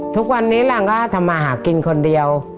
ทุกวันนี้หลังก็ทำมาหากินคนเดียว